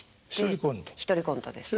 １人コントです。